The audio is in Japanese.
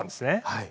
はい。